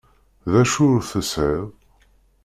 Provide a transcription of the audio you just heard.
D acu ur tesɛiḍ?